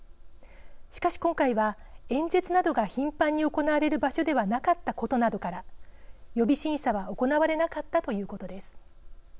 しかし、今回は演説などが頻繁に行われる場所ではなかったことなどから予備審査は行われなかったということです。